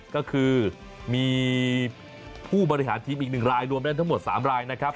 ก็คือมีผู้บริหารทีมอีก๑รายรวมได้ทั้งหมด๓รายนะครับ